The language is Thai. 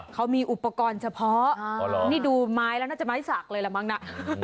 เขามีอุปกรณ์เฉพาะนี่ดูไม้แล้วน่าจะไม้สักเลยละมั้งนะ